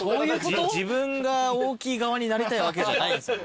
自分が大きい側になりたいわけじゃないんすよ。